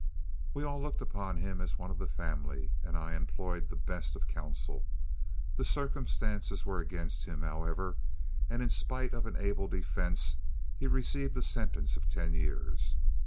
We all looked upon him as one of the family, and I employed the best of counsel. The circumstances were against him, however, and in spite of an able defense he received a sentence of ten years.